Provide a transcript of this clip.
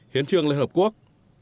hiến trường liên hợp quốc